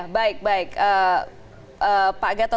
baik baik pak gatot